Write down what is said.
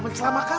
tapi ya itu pasti